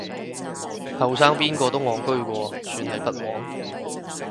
後生邊個都戇居過，算係不枉